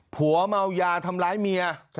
ผัวเมายาทำร้ายเมีย